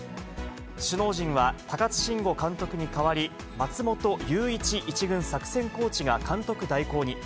首脳陣は高津臣吾監督に代わり、松元ユウイチ１軍作戦コーチが監督代行に。